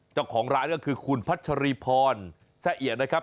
เจ้าของร้านก็คือคุณพัชรีพรแซ่เอียดนะครับ